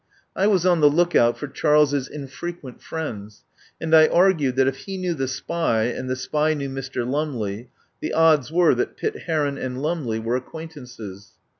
I was on the look out for Charles's infrequent friends, and I argued that if he knew the spy and the spy knew Mr. Lumley, the odds were that Pitt Heron and Lumley were acquaintances.